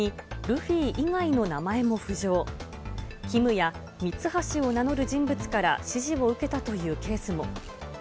ＫＩＭやミツハシを名乗る人物から指示を受けたというケースも。